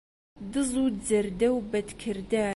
دز و جەردە و بەدکردار